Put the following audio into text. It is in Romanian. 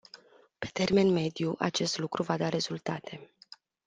Pe termen mediu, acest lucru va da rezultate.